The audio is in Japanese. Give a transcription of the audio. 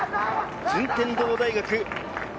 順天堂大学。